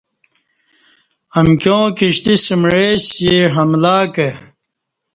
امکیا ں کشتی سمعے سی حملہ کہ